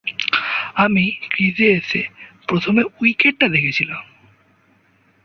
আমি ক্রিজে এসে প্রথমে উইকেটটা দেখছিলাম।